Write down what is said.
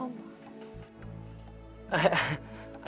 kan sudah lama dipanggil oma